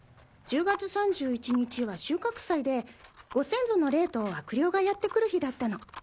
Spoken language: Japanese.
１０月３１日は収穫祭でご先祖の霊と悪霊がやってくる日だったの。